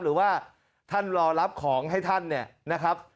หรือว่าท่านรอรับของให้ท่านเนี่ยนะครับ